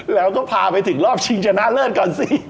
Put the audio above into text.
แล้วก็พาไปถึงรอบชิงชนะเลิศก่อนสิ